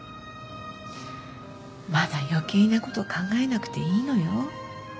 まだ余計なこと考えなくていいのよ